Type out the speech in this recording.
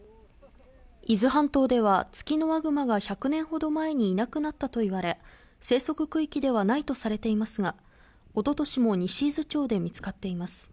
伊豆半島では、ツキノワグマが１００年ほど前にいなくなったといわれ、生息区域ではないとされていますが、おととしも西伊豆町で見つかっています。